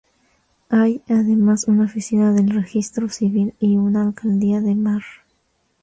Hay, además, una oficina del Registro Civil, y una alcaldía de mar.